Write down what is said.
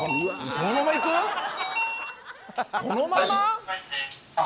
そのまま？